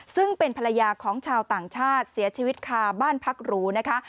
ซึ่งเป็นภรรยาของชาวต่างชาติเสียชีวิตคาบ้านพักหรูนะคะ